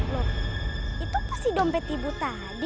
loh itu pasti dompet ibu tadi